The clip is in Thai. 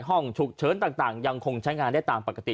ห้องฉุกเฉินต่างยังคงใช้งานได้ตามปกติ